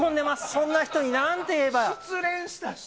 そんな人に何て言えば？